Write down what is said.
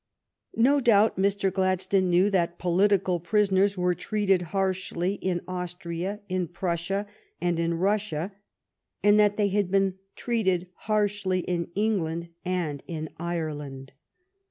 No doubt Mr. Gladstone knew that political prisoners were treated harshly in Austria, in Prussia, and in Russia, and that they had been treated harshly in England and in Ireland.